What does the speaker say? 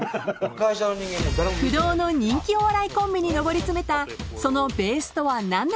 ［不動の人気お笑いコンビに上り詰めたそのベースとは何なのか？］